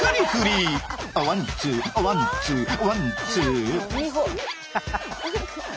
あワンツーあワンツーあワンツー。